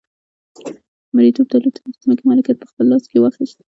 مرئیتوب دولتونو د ځمکې مالکیت په خپل لاس کې واخیست.